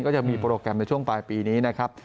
จะมีโปรแกรมในช่วงปลายปีนี้นะครับ